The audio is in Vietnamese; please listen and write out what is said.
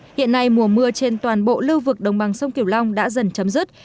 hiện nay mùa mưa trên toàn bộ lưu vực đồng bằng sông kiều long đã dần chấm dứt